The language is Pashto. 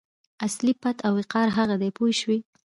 اصلي پت او وقار هغه دی پوه شوې!.